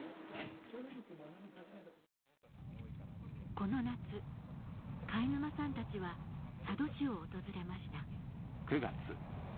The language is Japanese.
この夏海沼さんたちは佐渡市を訪れました